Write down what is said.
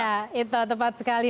ya itu tepat sekali